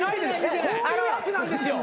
こういうやつなんですよ。